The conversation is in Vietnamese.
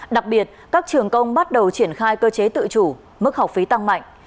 đặc biệt các trường công bắt đầu triển khai cơ chế tự chủ mức học phí tăng mạnh